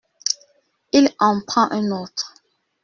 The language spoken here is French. Il en prend un autre.